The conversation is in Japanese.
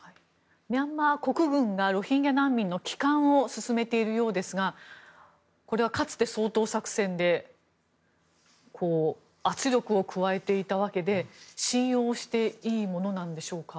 ミャンマー国軍がロヒンギャ難民の帰還を進めているようですがこれはかつて、掃討作戦で圧力を加えていたわけで信用していいものなんでしょうか。